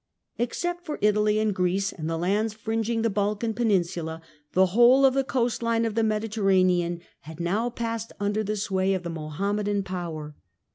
Except for Italy and Greece, and the lands fringing the Balkan Peninsula, the whole of the coast line of the Mediterranean had now passed under the sway of the Mohammedan power.